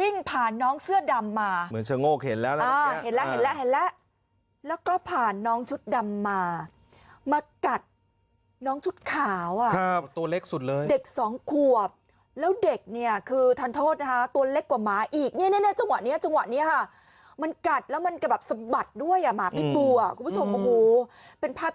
วิ่งผ่านน้องเสื้อดำมาเหมือนเชิงโงคเห็นแล้วเห็นแล้วเห็นแล้วเห็นแล้วแล้วก็ผ่านน้องชุดดำมามากัดน้องชุดขาวอ่ะตัวเล็กสุดเลยเด็กสองขวบแล้วเด็กเนี่ยคือทานโทษนะฮะตัวเล็กกว่าหมาอีกเนี่ยจังหวะนี้จังหวะนี้ฮะมันกัดแล้วมันก็แบบสะบัดด้วยอ่ะหมาพิษบูอ่ะคุณผู้ชมโอ้โหเป็นภาพ